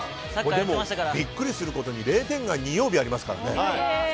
ビックリすることに０点が２曜日ありますからね。